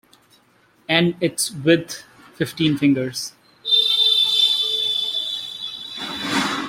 And its width: fifteen fingers.